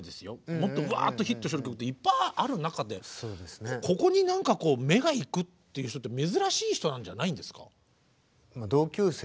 もっとうわっとヒットしてる曲っていっぱいある中でここに何か目がいくっていう人って珍しい人なんじゃないんですか？